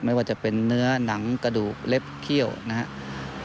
ไม่ว่าจะเป็นเนื้อหนังกระดูกเล็บเขี้ยวนะครับ